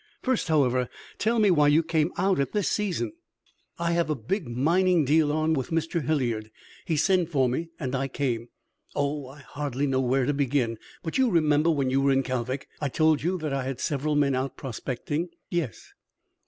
First, however, tell me why you came out at this season." "I have a big mining deal on with Mr. Hilliard. He sent for me, and I came. Oh, I hardly know where to begin! But you remember when you were in Kalvik I told you that I had several men out prospecting?" "Yes."